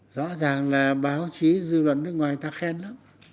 rõ ràng là báo chí dư luận nước ngoài người ta khen lắm